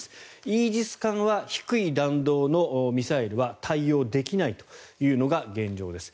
イージス艦は低い弾道のミサイルは対応できないというのが現状です。